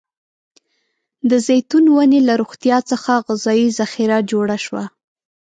د زیتون ونې له روغتيا څخه غذايي ذخیره جوړه شوه.